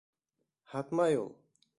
— Һатмай ул.